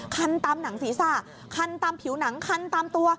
คันตามหนังศีรษะคันตามผิวหนังคันตามตัว